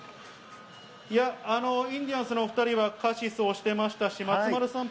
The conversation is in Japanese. インディアンスのお２人はカシスを推してましたし、松丸さん